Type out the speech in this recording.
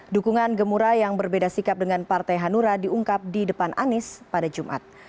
dukungan gemura yang berbeda sikap dengan partai hanura diungkap di depan anies pada jumat